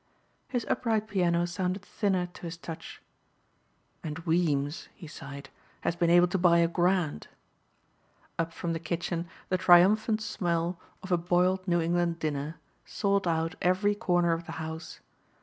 His upright piano sounded thinner to his touch. "And Weems," he sighed, "has been able to buy a grand." Up from the kitchen the triumphant smell of a "boiled New England dinner" sought out every corner of the house.